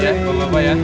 ya pak bapak ya